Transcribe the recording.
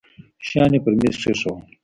شيان يې پر ميز کښېښوول.